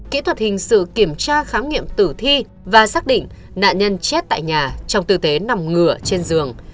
kỹ thuật hình sự kiểm tra khám nghiệm tử thi và xác định nạn nhân chết tại nhà trong tư tế nằm ngửa trên giường